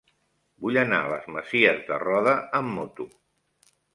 Vull anar a les Masies de Roda amb moto.